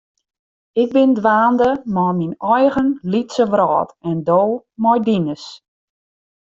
Ik bin dwaande mei myn eigen lytse wrâld en do mei dines.